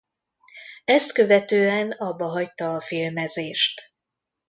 Ezt követően abbahagyta a filmezést.